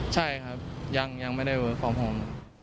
ใช่ครับยังไม่ได้เวิกฟอร์มฮอล์